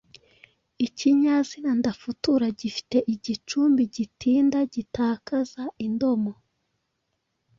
Ikinyazina ndafutura gifite igicumbi gitinda gitakaza indomo